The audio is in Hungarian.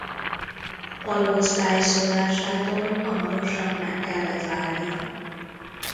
Palóc tájszólásától hamarosan meg kellett válnia.